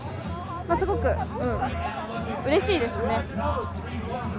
すごく、うれしいですね。